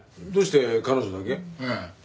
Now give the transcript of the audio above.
どうして彼女だけ？